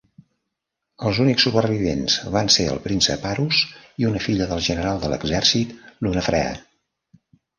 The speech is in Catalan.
Els únics supervivents van ser el príncep Arus i una filla del general de l'exèrcit, Lunafrea.